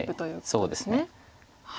そうですね。